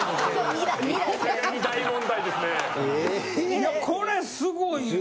いやこれすごいわ。